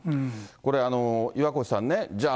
岩越さんね、じゃあ